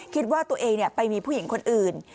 คิดว่าตัวเองไปมีผู้หญิงคนอื่น